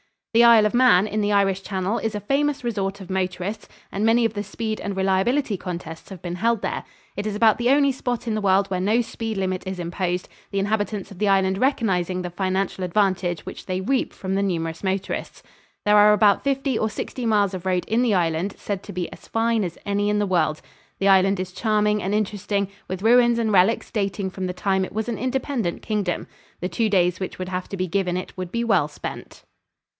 The Isle of Man, in the Irish Channel, is a famous resort of motorists, and many of the speed and reliability contests have been held there. It is about the only spot in the world where no speed limit is imposed, the inhabitants of the island recognizing the financial advantage which they reap from the numerous motorists. There are about fifty or sixty miles of road in the island said to be as fine as any in the world. The island is charming and interesting, with ruins and relics dating from the time it was an independent kingdom. The two days which would have to be given it would be well spent.